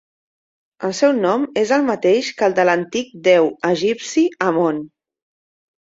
El seu nom és el mateix que el de l'antic déu egipci Amon.